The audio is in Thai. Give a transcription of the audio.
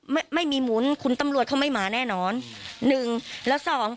ไม่มีหมุนคุณตำรวจเขาไม่มาแน่นอนหนึ่งแล้วสอง